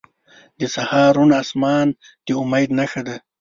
• د سهار روڼ آسمان د امید نښه ده.